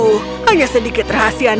oh hanya sedikit rahasia nenek